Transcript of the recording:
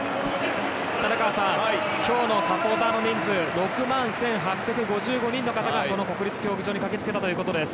今日のサポーターの人数６万１８５５人の方がこの国立競技場に駆け付けたということです。